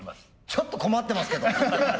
ちょっと困ってますけど。